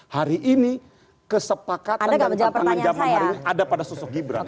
hari ini kesepakatan dan tantangan zaman hari ini ada pada sosok gibran